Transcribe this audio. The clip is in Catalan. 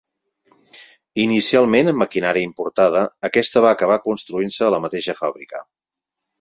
Inicialment amb maquinària importada, aquesta va acabar construint-se a la mateixa fàbrica.